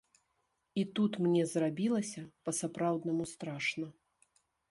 І тут мне зрабілася па-сапраўднаму страшна.